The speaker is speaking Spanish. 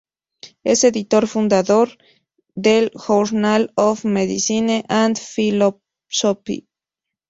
Es editor fundador del "Journal of Medicine and Philosophy"